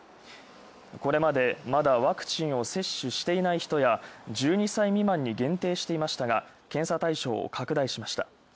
これまで、まだワクチンを接種していない人や、１２歳未満に限定していましたが、検査対象拡大しました。